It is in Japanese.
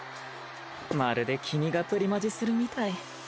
まるで君がプリマジするみたい。